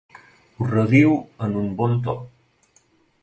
Ho radio en un bon to.